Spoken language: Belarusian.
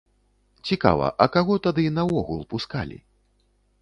Цікава, а каго тады наогул пускалі?